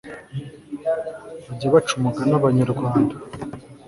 bajya baca umugani abanyarwanda